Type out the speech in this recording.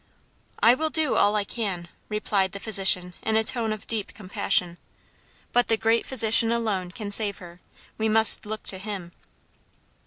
"I will do all I can," replied the physician in a tone of deep compassion, "but the Great Physician alone can save her. We must look to him."